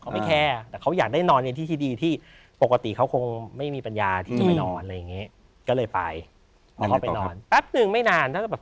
ไม่ไกลกันน่ะหนึ่งเดินวิ่งมาฮะ